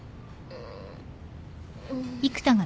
うん。